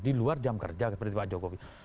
di luar jam kerja seperti pak jokowi